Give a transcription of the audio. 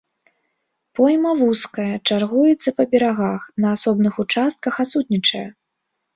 Пойма вузкая, чаргуецца па берагах, на асобных участках адсутнічае.